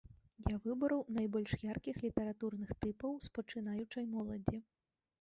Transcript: Я выбраў найбольш яркіх літаратурных тыпаў з пачынаючай моладзі.